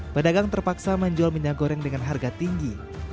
pedagang terpaksa menjual minyak goreng dengan harga tinggi